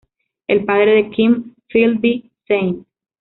El padre de Kim Philby, St.